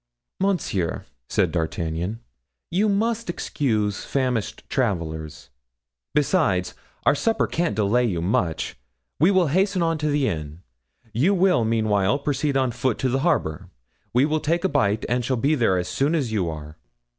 "Monsieur," said D'Artagnan, "you must excuse famished travelers. Besides, our supper can't delay you much. We will hasten on to the inn; you will meanwhile proceed on foot to the harbor. We will take a bite and shall be there as soon as you are."